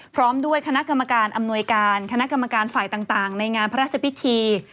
พร้อมด้วยคณะกรรมการอำนวยการคณะกรรมการฝ่ายต่างในงานพระราชพิธี